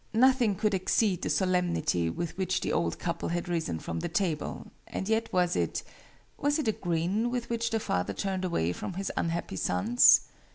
Nothing could exceed the solemnity with which the old couple had risen from the table, and yet was it was it a grin with which the father turned away from his unhappy sons?